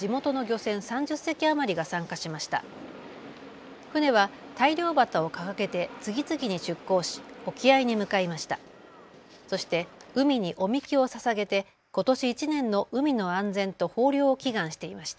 船は大漁旗を掲げて次々に出港し沖合に向かいました。